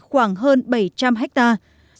hàng hơn bảy trăm linh hectare